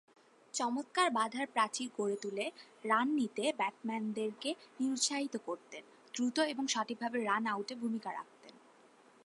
চমৎকার বাঁধার প্রাচীর গড়ে তুলে রান নিতে ব্যাটসম্যানদেরকে নিরুৎসাহিত করতেন, দ্রুত ও সঠিকভাবে রান আউটে ভূমিকা রাখতেন।